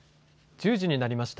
１０時になりました。